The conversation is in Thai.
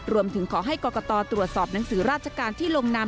รวมถึงขอให้กรกตตรวจสอบหนังสือราชการที่ลงนาม